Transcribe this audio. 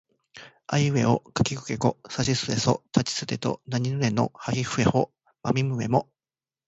あいうえおかきくけこさしすせそたちつてとなにぬねのはひふへほまみむめも